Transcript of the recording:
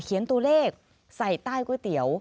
ตัวเลขใส่ใต้ก๋วยเตี๋ยว